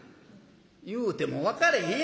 「言うても分かれへんやん。